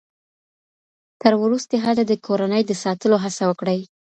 تر وروستي حده د کورنۍ د ساتلو هڅه وکړئ.